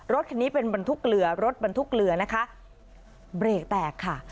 รถคันนี้เป็นบรรทุกเรือรถบรรทุกเรือนะคะเบรกแตกค่ะ